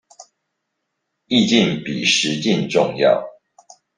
意境比實境重要